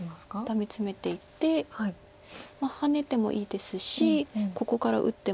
ダメツメていってハネてもいいですしここから打っても。